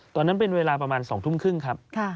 ตอนนั้นเป็นเวลาประมาณ๒ทุ่มครึ่งครับ